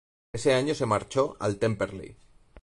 Ese año se marchó al Temperley.